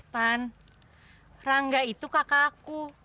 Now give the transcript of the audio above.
tan rangga itu kakakku